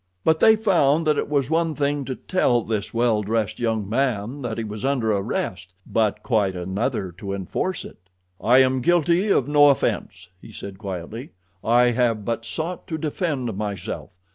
But they found that it was one thing to tell this well dressed young man that he was under arrest, but quite another to enforce it. "I am guilty of no offense," he said quietly. "I have but sought to defend myself.